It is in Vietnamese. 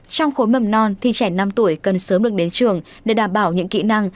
trong khối mầm non thì trẻ năm tuổi cần sớm được đến trường để đảm bảo những kỹ năng